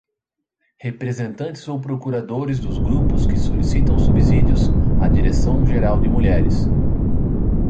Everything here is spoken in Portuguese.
Representantes ou procuradores dos grupos que solicitam subsídios à Direção Geral de Mulheres.